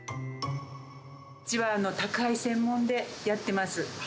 うちは宅配専門でやってます。